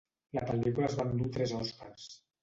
La pel·lícula es va endur tres Oscars.